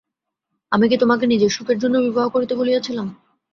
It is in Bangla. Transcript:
আমি কি তোমাকে নিজের সুখের জন্য বিবাহ করিতে বলিয়াছিলাম।